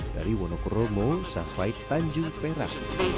dari wonokromo sampai tanjung perak